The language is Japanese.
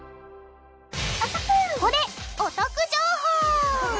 ここでお得情報！